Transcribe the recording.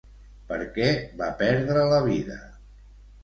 Per què va perdre la vida?